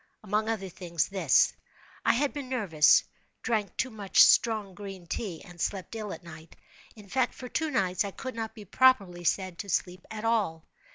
Among other things, this: I had been nervous—drank too much strong green tea, and slept ill at night—in fact, for two nights I could not be properly said to sleep at all.